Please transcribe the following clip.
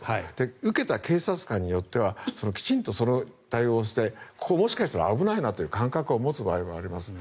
受けた警察官によってはきちんと、その対応をしてもしかしたら危ないなという感覚を持つ場合があります。